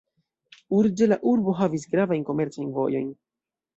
Urĝe la urbo havis gravajn komercajn vojojn.